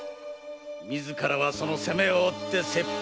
自らはその責めを負って切腹！